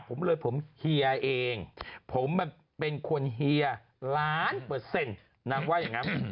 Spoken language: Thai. ผมเลยผมเฮียเองผมมันเป็นคนเฮียล้านเปอร์เซ็นต์นางว่าอย่างนั้น